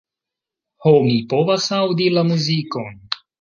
Ho, mi povas aŭdi la muzikon.